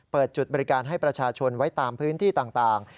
เปิดจุดบริการให้ประชาชนไว้ตามพื้นที่ต่าง